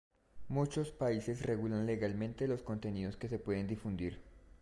Muchos países regulan legalmente los contenidos que se pueden difundir.